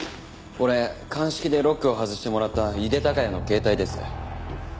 これ鑑識でロックを外してもらった井手孝也の携帯です。